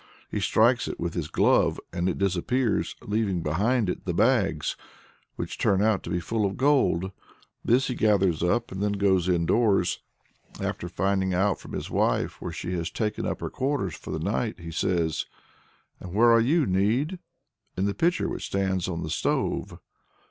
He strikes it with his glove, and it disappears, leaving behind it the bags, which turn out to be full of gold. This he gathers up, and then goes indoors. After finding out from his wife where she has taken up her quarters for the night, he says: "And where are you, Need?" "In the pitcher which stands on the stove."